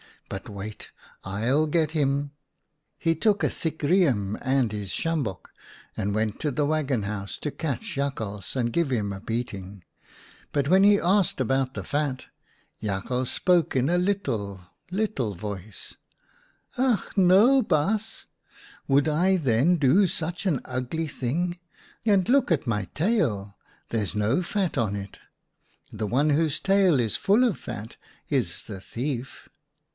But wait, I'll get him !' "He took a thick riem and his sjambok, and went to the waggon house to catch Jak hals and give him a beating. But when he asked about the fat, Jakhals spoke in a little, little voice. "' Ach no, Baas ! Would I then do such an ugly thing ? And look at my tail. There's no fat on it. The one whose tail is full of fat is the thief.'